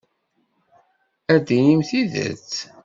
Ad d-tinimt tidet.